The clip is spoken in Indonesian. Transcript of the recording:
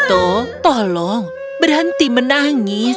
yato tolong berhenti menangis